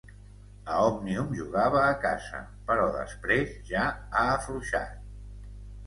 A Òmnium jugava a casa, però després ja ha afluixat.